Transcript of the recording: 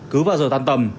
cứ vào giờ tan tầm